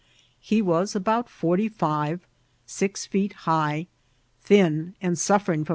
He was about forty five, six feet high, thin, and suffering hem.